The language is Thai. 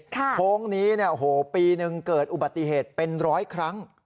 โค้งนี้ปีหนึ่งเกิดอุบัติเหตุเป็นร้อยครั้ง